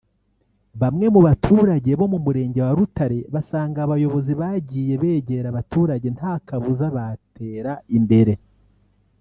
Bamwe mu baturage bo mu Murenge wa Rutare basanga abayobozi bagiye begera abaturage nta kabuza batera imbere